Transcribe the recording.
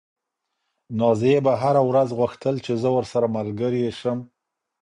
نازيې به هره ورځ غوښتل چې زه ورسره ملګرې شم.